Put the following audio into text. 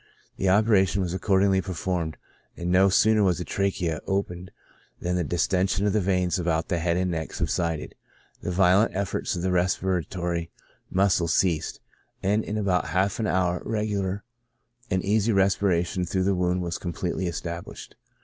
The operation was accordingly performed, and no sooner was the trachea opened, than the distention of the veins about the head and neck subsided, the violent efforts of the respi ratory muscles ceased, and in about half an hour regular and easy respiration through the wound was completely established.